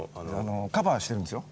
カバーしてるんですよ。